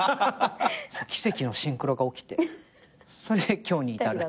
奇跡のシンクロが起きてそれで今日に至るっていう。